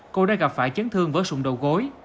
cô đã gặp phải chấn thương vớt sụn đầu gối